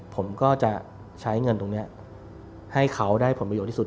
ผมก็จะใช้เงินตรงนี้ให้เขาได้ผลประโยชนที่สุด